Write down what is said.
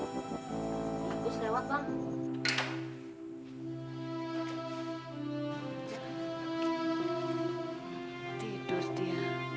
terus lewat bang